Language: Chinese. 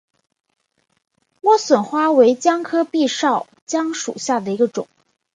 莴笋花为姜科闭鞘姜属下的一个种。